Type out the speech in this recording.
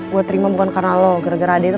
gue terima bukan karena lo gara gara adik itu